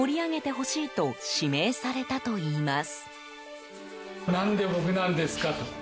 オーナーから店を盛り上げてほしいと指名されたといいます。